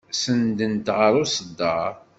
Senndent ɣer uṣeddar.